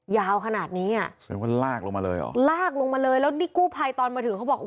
ยาวขนาดนี้อ่ะแสดงว่าลากลงมาเลยเหรอลากลงมาเลยแล้วนี่กู้ภัยตอนมาถึงเขาบอก